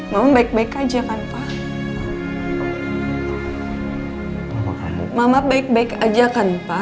mama baik baik aja kan pak